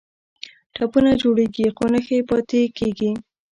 ټپونه جوړیږي خو نښې یې پاتې کیږي.